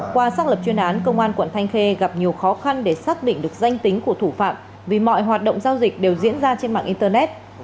qua xác lập chuyên án công an quận thanh khê gặp nhiều khó khăn để xác định được danh tính của thủ phạm vì mọi hoạt động giao dịch đều diễn ra trên mạng internet